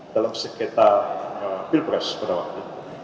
dalam sekretar pilpres pada waktu itu